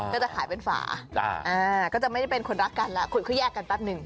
ก็จะขายเป็นฝาก็จะไม่ได้เป็นคนรักกันแล้วคุยค่อยแยกกันแป๊บหนึ่ง